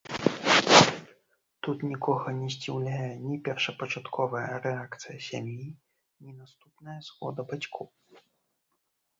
Тут нікога не здзіўляе ні першапачатковая рэакцыя сям'і, ні наступная згода бацькоў.